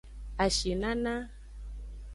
Ashinana.